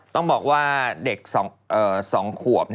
ต้องบอกว่าเด็ก๒ขวบ